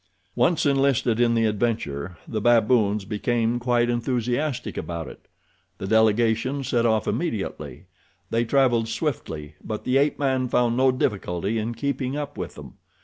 Once enlisted in the adventure the baboons became quite enthusiastic about it. The delegation set off immediately. They traveled swiftly; but the ape man found no difficulty in keeping up with them.